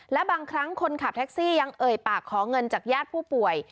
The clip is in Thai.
และบางครั้งคนขับแท็กซี่ยังเอ่ยปากขอเงินจากญาติผู้ป่วย